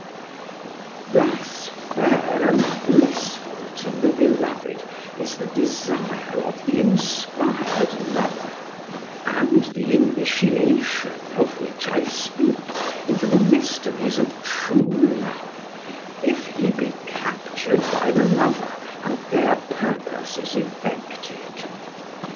Thus fair and blissful to the beloved is the desire of the inspired lover, and the initiation of which I speak into the mysteries of true love, if he be captured by the lover and their purpose is effected.